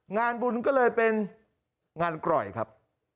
งานบุญก็เลยเป็นงานกร่อยครับ